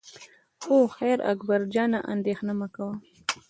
خو خیر اکبر جانه اندېښنه مه کوه.